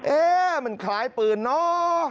เอ๊ะมันคล้ายปืนเนาะ